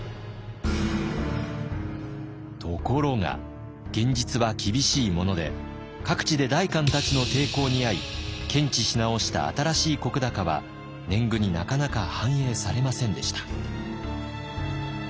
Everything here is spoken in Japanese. ところが現実は厳しいもので各地で代官たちの抵抗に遭い検地し直した新しい石高は年貢になかなか反映されませんでした。